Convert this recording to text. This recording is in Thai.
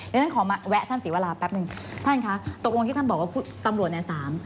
ดังนั้นขอมาแวะท่านศิวาราแป๊บนึงท่านคะตกวงที่ท่านบอกว่าตำรวจแนว๓